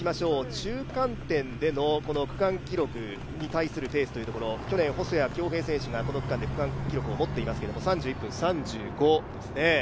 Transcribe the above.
中間点での区間記録に対するペースというところ、去年、細谷恭平選手がこの区間で区間新を持っていますけれども、３１分３５ですね。